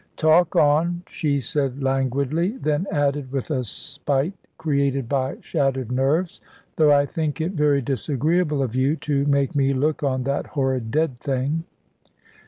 "Talk on," she said languidly; then added, with a spite created by shattered nerves, "though I think it very disagreeable of you, to make me look on that horrid dead thing."